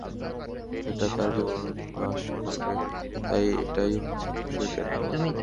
এটা তার জীবননাশ করবে, তাই এটাই হচ্ছে ক্রুশের কেন্দ্র।